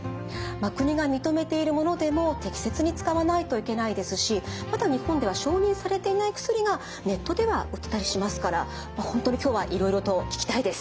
国が認めているものでも適切に使わないといけないですしまだ日本では承認されていない薬がネットでは売ってたりしますから本当に今日はいろいろと聞きたいです。